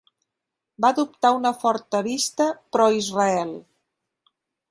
Va adoptar una forta vista Pro-Israel.